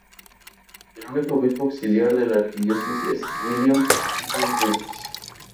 El único obispo auxiliar de la arquidiócesis es William J. Justice.